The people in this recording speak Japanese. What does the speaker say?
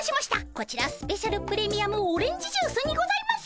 こちらスペシャルプレミアムオレンジジュースにございます。